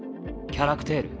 キャラクテール？